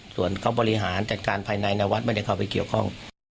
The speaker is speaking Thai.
ส่วนเขาบริหารจัดการภายในวัดไม่ได้เข้าไปเกี่ยวข้อง